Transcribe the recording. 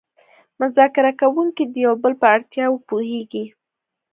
مذاکره کوونکي د یو بل په اړتیاوو پوهیږي